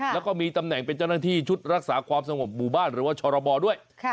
แล้วก็มีตำแหน่งเป็นเจ้าหน้าที่ชุดรักษาความสงบหมู่บ้านหรือว่าชรบด้วย